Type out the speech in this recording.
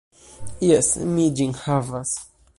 Jes, mi ĝin havas.